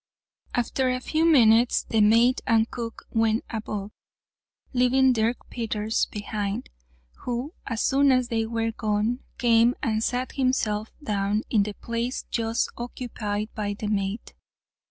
After a few minutes the mate and cook went above, leaving Dirk Peters behind, who, as soon as they were gone, came and sat himself down in the place just occupied by the mate.